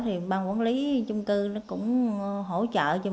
thì ban quản lý chung cư nó cũng hỗ trợ cho mình